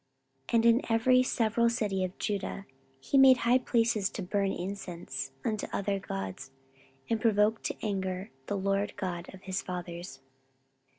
14:028:025 And in every several city of Judah he made high places to burn incense unto other gods, and provoked to anger the LORD God of his fathers.